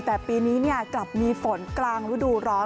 แต่ปีนี้กลับมีฝนกลางฤดูร้อน